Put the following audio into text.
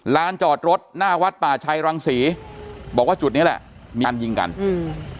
จอดรถหน้าวัดป่าชัยรังศรีบอกว่าจุดนี้แหละมีการยิงกันอืม